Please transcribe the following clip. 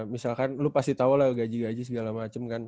misalkan lu pasti tau lah gaji gaji segala macem kan